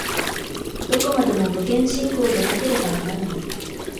どこまでも無限進行でなければならない。